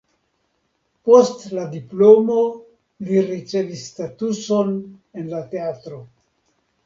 Post la diplomo li ricevis statuson en la teatro.